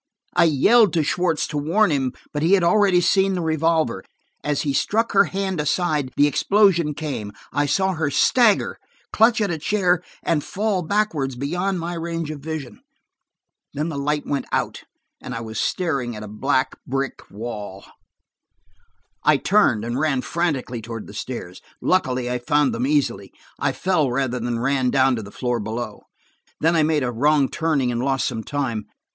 I yelled to Schwartz to warn him, but he had already seen the revolver. As he struck her hand aside, the explosion came; I saw her stagger, clutch at a chair and fall backward beyond my range of vision. Then the light went out, and I was staring at a black, brick wall. As he struck her hand aside the explosion came. I turned and ran frantically toward the stairs. Luckily, I found them easily. I fell rather than ran down to the floor below. Then I made a wrong turning and lost some time.